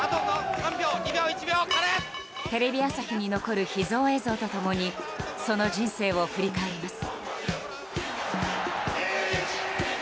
テレビ朝日に残る秘蔵映像と共にその人生を振り返ります。